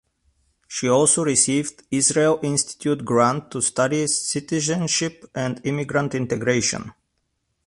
She also received an Israel Institute Grant to study citizenship and immigrant integration.